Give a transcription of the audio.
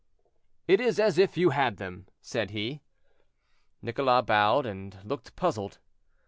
"It is as if you had them," said he. Nicholas bowed, and looked puzzled.